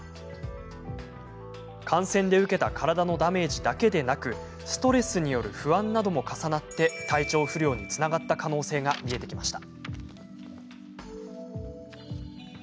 感染で受けた体のダメージだけでなくストレスによる不安なども重なって体調不良につながった可能性が見えてきました。